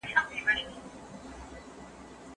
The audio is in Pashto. اجتماعي شیان د ټولو لپاره دي.